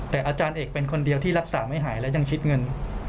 แต่อาจารย์เอกเป็นคนเดียวที่รักษาไม่หายและยังคิดเงิน